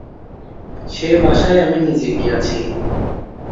সেই বাসায় আমি নিজে গিয়াছি।